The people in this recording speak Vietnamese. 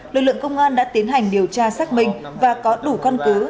lực lượng công an đã tiến hành điều tra xác minh và có đủ con cứu